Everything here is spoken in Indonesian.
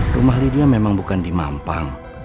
rumah ledia memang bukan di mampang